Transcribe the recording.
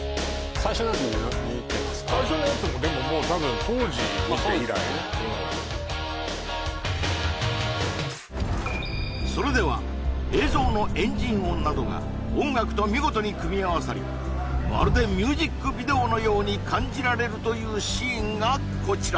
最初のやつもでももう多分当時見て以来それでは映像のエンジン音などが音楽と見事に組み合わさりまるでミュージックビデオのように感じられるというシーンがこちら